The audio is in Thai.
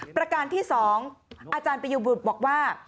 ประการที่๒อาจารย์ประยุบุตรบอกว่า